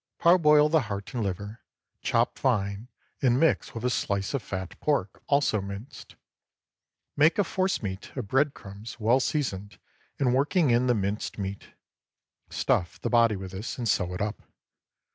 Parboil the heart and liver, chop fine, and mix with a slice of fat pork, also minced. Make a force meat of bread crumbs, well seasoned, and working in the minced meat. Stuff the body with this, and sew it up.